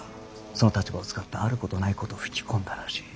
その立場を使ってあることないこと吹き込んだらしい。